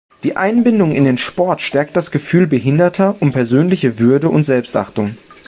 Die Einbindung in den Sport stärkt das Gefühl Behinderter um persönliche Würde und Selbstachtung.